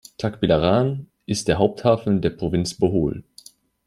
Tagbilaran ist der Haupthafen der Provinz Bohol.